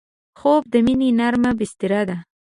خوب د مینې نرمه بستر ده